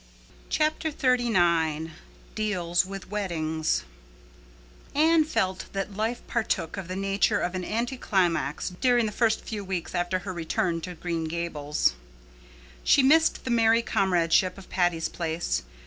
Chapter XXXIX Deals with Weddings Anne felt that life partook of the nature of an anticlimax during the first few weeks after her return to Green Gables. She missed the merry comradeship of Patty's Place.